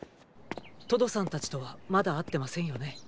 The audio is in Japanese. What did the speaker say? トドさんたちとはまだ会ってませんよね。